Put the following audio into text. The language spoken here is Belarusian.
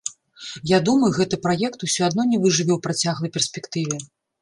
Я думаю, гэты праект усё адно не выжыве ў працяглай перспектыве.